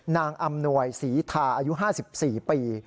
อำนวยศรีทาอายุ๕๔ปี